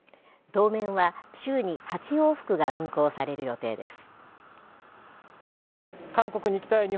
当面は、週に８往復が運航される予定です。